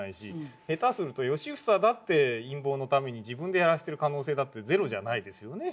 下手すると良房だって陰謀のために自分でやらしてる可能性だってゼロじゃないですよね。